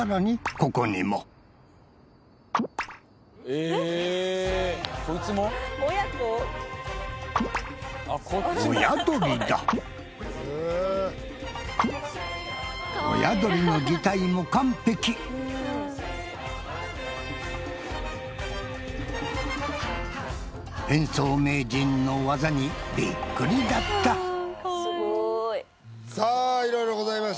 ここにも親鳥だ親鳥の擬態も完璧変装名人の技にビックリだったさあ色々ございました